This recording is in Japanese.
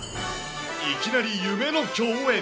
いきなり夢の競演。